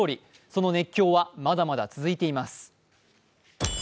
その熱狂はまだまだ続いています。